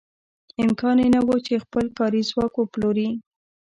امکان یې نه و چې خپل کاري ځواک وپلوري.